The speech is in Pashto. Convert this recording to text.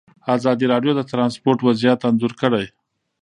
ازادي راډیو د ترانسپورټ وضعیت انځور کړی.